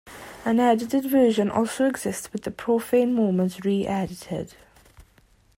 An edited version also exists with the profane moments re-edited.